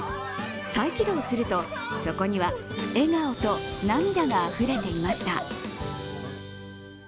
再起動すると、そこには笑顔と涙があふれていました。